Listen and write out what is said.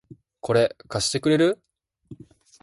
これ、貸してくれる？